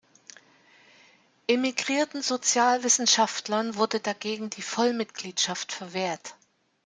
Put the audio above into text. Emigrierten Sozialwissenschaftlern wurde dagegen die Vollmitgliedschaft verwehrt.